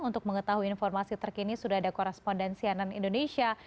untuk mengetahui informasi terkini sudah ada korespondensianan indonesia